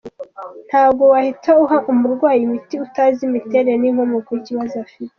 Ntago wahita uha umurwayi imiti utazi imiterere n’inkomoko y’ikibazo afite.